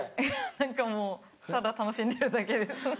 何かもうただ楽しんでるだけです。